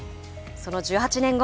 その１８年後。